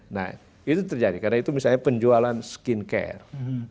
nah itu terjadi karena itu misalnya penjualan skincare